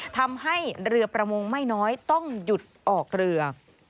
ทำให้เรือประมงไม่น้อยต้องหยุดออกเรือ